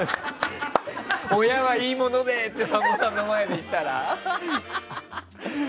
親はいいもので！ってさんまさんの前で言ったら。